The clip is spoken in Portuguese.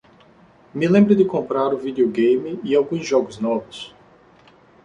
Me lembre de comprar o videogame e alguns jogos novos